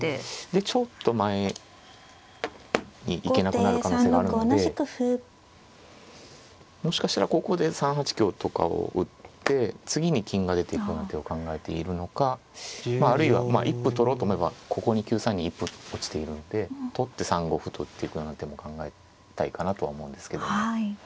でちょっと前に行けなくなる可能性があるのでもしかしたらここで３八香とかを打って次に金が出ていくような手を考えているのかまああるいは一歩取ろうと思えばここに９三に一歩落ちているので取って３五歩と打っていくような手も考えたいかなとは思うんですけども。